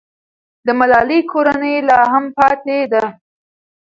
د ملالۍ کورنۍ لا هم پاتې ده.